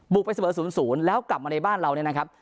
บุกไปเสมอศูนย์ศูนย์แล้วกลับมาในบ้านเราเนี่ยนะครับ